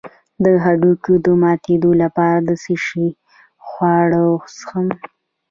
د هډوکو د ماتیدو لپاره د څه شي ښوروا وڅښم؟